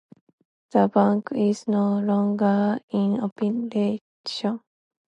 The bank is no longer in operation.